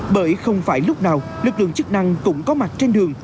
bởi không phải lúc nào lực lượng chức năng cũng có mặt trên đường